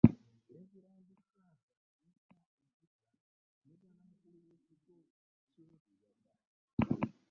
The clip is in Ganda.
Leviranda ffaaza Nestus Mugisha ye Bwanamukulu w'ekigo ky'e Buyaga